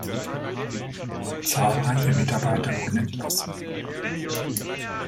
Zahlreiche Mitarbeiter wurden entlassen.